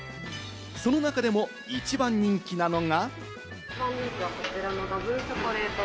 その中でも一番人気なのが。